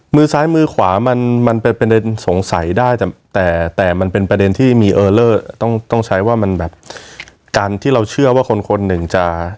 มือซ้ายมือขวามันมันเป็นประเด็นสงสัยได้แต่แต่มันเป็นประเด็นที่มีเออเลอร์ต้องต้องใช้ว่ามันแบบการที่เราเชื่อว่าคนคนหนึ่งจะ